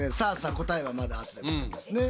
答えはまだあとでございますね。